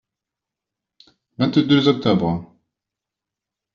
Vingt-deux octobre.